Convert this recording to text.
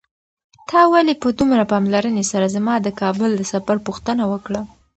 تا ولې په دومره پاملرنې سره زما د کابل د سفر پوښتنه وکړه؟